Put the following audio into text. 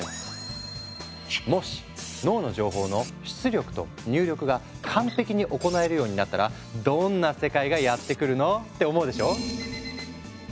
もし脳の情報の出力と入力が完璧に行えるようになったらどんな世界がやって来るの？って思うでしょ？